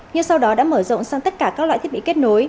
nhưng sau đó đã mở rộng sang tất cả các loại thiết bị kết nối